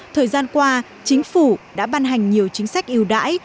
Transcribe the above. thời gian qua chính phủ đã ban hành nhiều chính sách yêu đãi